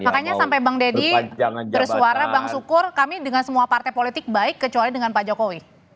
makanya sampai bang deddy bersuara bang syukur kami dengan semua partai politik baik kecuali dengan pak jokowi